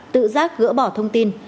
tự giác gỡ bỏ thông tin